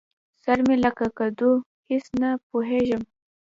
سر مې لکه کدو؛ هېڅ نه پوهېږم.